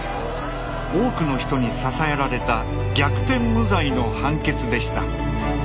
多くの人に支えられた逆転無罪の判決でした。